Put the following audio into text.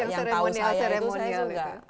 yang seremonial seremonial itu